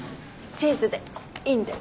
チーズで。